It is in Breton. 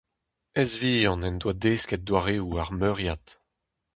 Ez vihan en doa desket doareoù ar meuriad.